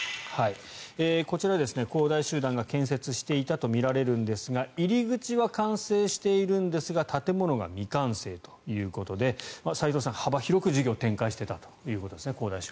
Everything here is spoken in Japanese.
こちら、恒大集団が建設していたとみられるんですが入り口は完成しているんですが建物が未完成ということで齋藤さん、幅広く事業を展開していたということですね。